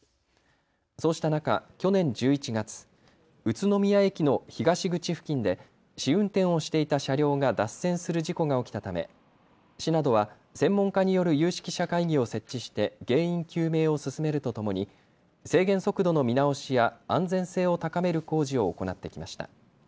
そうした中、去年１１月、宇都宮駅の東口付近で試運転をしていた車両が脱線する事故が起きたため市などは専門家による有識者会議を設置して原因究明を進めるとともに制限速度の見直しや安全性を高める工事を行ってきました。